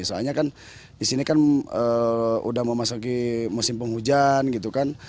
soalnya kan disini kan udah mau masuk ke musim penghujan